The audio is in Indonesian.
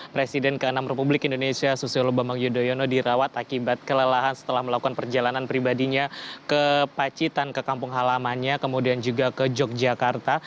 presiden ke enam republik indonesia susilo bambang yudhoyono dirawat akibat kelelahan setelah melakukan perjalanan pribadinya ke pacitan ke kampung halamannya kemudian juga ke yogyakarta